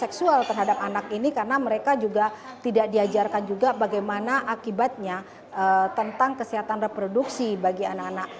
seksual terhadap anak ini karena mereka juga tidak diajarkan juga bagaimana akibatnya tentang kesehatan reproduksi bagi anak anak